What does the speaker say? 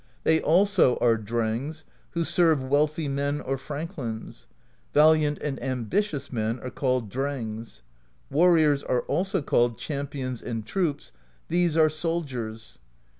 They also are Drengs who serve wealthy men or franklins; valiant and ambitious men are called Drengs. Warriors are also called Champions and Troops : these are soldiers.